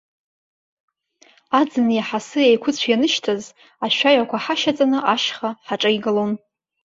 Аӡын иаҳа асы еиқәыцә ианышьҭаз, ашәаҩақәа ҳашьаҵаны ашьха ҳаҿеигалон.